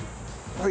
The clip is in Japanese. はい。